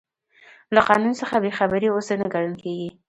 له قانون څخه بې خبري عذر نه ګڼل کیږي.